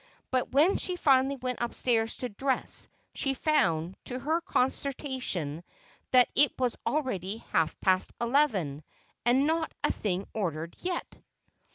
But when she finally went upstairs to dress she found, to her consternation, that it was already half past eleven, and not a thing ordered yet!